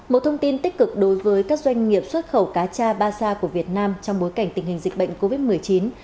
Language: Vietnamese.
một thông tin tích cực đối với các doanh nghiệp xuất khẩu cá cha ba sa của việt nam trong bối cảnh tình hình dịch bệnh covid một mươi chín